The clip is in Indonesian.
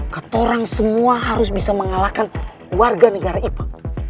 katorang semua harus bisa mengalahkan warga negara ipa